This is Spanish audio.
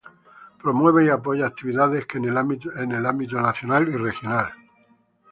Promueve y apoya actividades que en el ámbito nacional y regional.